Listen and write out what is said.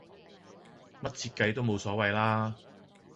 乜設計都無所謂啦